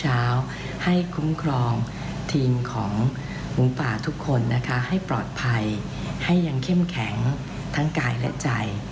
ให้คุ้มครองทีมของหมูป่าทุกคนนะคะให้ปลอดภัยให้ยังเข้มแข็งทั้งกายและใจ